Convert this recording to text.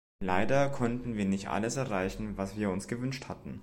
Leider konnten wir nicht alles erreichen, was wir uns gewünscht hatten.